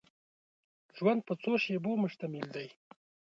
ژوند په څو شېبو مشتمل دی.